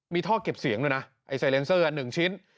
มีท่อเก็บเสียงด้วยนะไอ้ไซเลนเซอร์๑ชิ้น